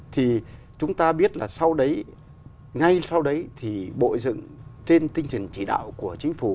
thì chúng ta biết là sau đấy ngay sau đấy thì bộ dựng trên tinh thần chỉ đạo của chính phủ